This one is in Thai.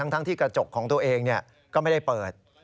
ทั้งที่กระจกของตัวเองก็ไม่ได้เปิด